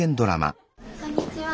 こんにちは。